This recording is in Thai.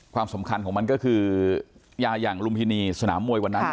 ความสำคัญของมันก็คือยาอย่างลุมพินีสนามมวยวันนั้น